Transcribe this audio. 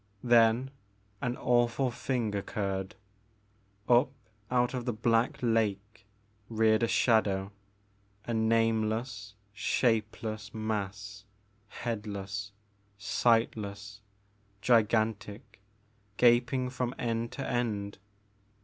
Then an awful thing occurred. Up out of the black lake reared a shadow, a nameless shapeless mass, headless, sightless, gigantic, gaping from end to end.